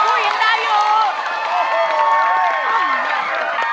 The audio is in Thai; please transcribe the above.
รู้ยังได้อยู่